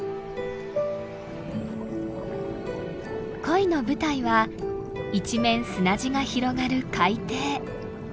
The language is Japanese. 恋の舞台は一面砂地が広がる海底。